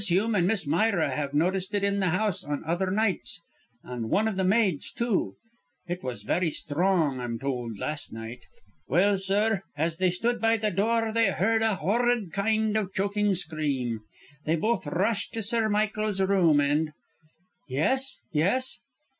Hume and Miss Myra have noticed it in the house on other nights, and one of the maids, too. It was very strong, I'm told, last night. Well, sir, as they stood by the door they heard a horrid kind of choking scream. They both rushed to Sir Michael's room, and " "Yes, yes?"